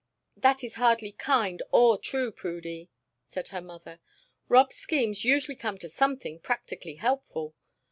"That is hardly kind or true, Prudy," said her mother. "Rob's schemes usually come to something practically helpful.